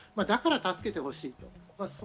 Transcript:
だから助けてほしいんだと。